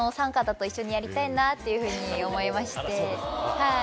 はい。